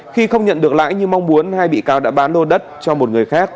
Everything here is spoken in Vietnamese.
khi không nhận được lãi như mong muốn hai bị cáo đã bán lô đất cho một người khác